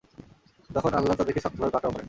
তখন আল্লাহ তাদেরকে শক্তভাবে পাকড়াও করেন।